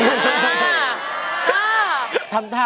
เพลงนี้หรอเสร็จน้องข้า